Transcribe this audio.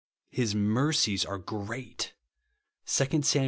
"His mercies are great," (2 Sam.